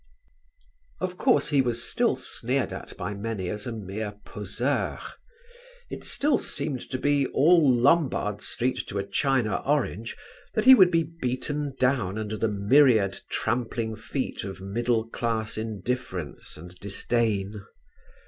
Of course he was still sneered at by many as a mere poseur; it still seemed to be all Lombard Street to a china orange that he would be beaten down under the myriad trampling feet of middle class indifference and disdain.